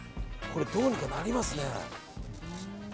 これ、どうにかなりますね。